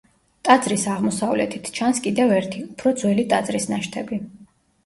ტაძრის აღმოსავლეთით ჩანს კიდევ ერთი, უფრო ძველი ტაძრის ნაშთები.